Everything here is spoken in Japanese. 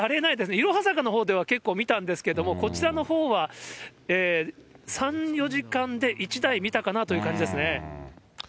いろは坂のほうでは結構見たんですけれども、こちらのほうは３、４時間で１台見たかなという感じですね。